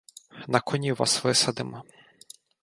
На коні вас висадимо.